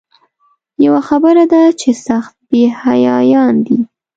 یوه خبره ده چې سخت بې حیایان دي.